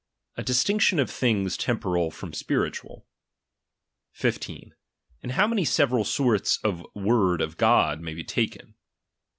A distinction of things temporal from spiritual. 1 5. In how many several sorts the word of God may be taken.